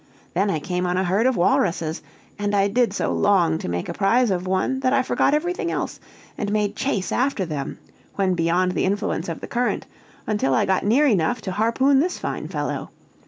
Then I came on a herd of walruses, and I did so long to make a prize of one that I forgot everything else, and made chase after them when beyond the influence of the current, until I got near enough to harpoon this fine fellow.